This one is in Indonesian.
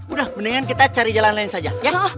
udah mendingan kita cari jalan lain saja